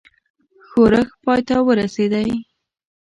ښورښ پای ته ورسېدی.